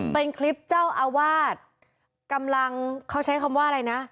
เป็นคลิปเจ้าอาวาสกำลังเขาใช้คำว่าอะไรนะ